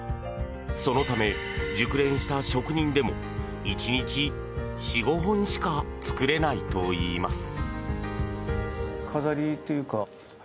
そのため、熟練した職人でも１日４５本しか作れないといいます。